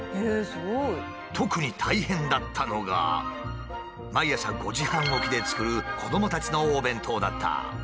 特に大変だったのが毎朝５時半起きで作る子どもたちのお弁当だった。